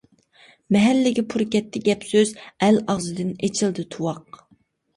مەھەللىگە پۈر كەتتى گەپ-سۆز، ئەل ئاغزىدىن ئېچىلدى تۇۋاق.